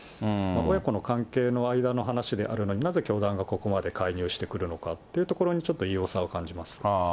親子の関係の間の話であるのになぜ教団がここまで介入してくるのかっていうところに、ちょっと異様さを感じます。